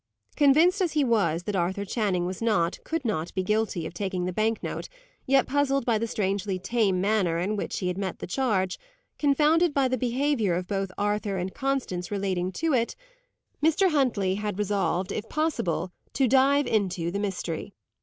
Convinced, as he was, that Arthur Channing was not, could not be guilty of taking the bank note, yet puzzled by the strangely tame manner in which he met the charge confounded by the behaviour both of Arthur and Constance relating to it Mr. Huntley had resolved, if possible, to dive into the mystery.